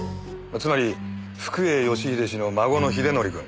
つまり福栄義英氏の孫の英則くん